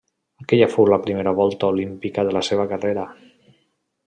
Aquella fou la primera volta olímpica de la seva carrera.